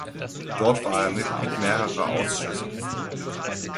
Dort war er Mitglied mehrere Ausschüsse.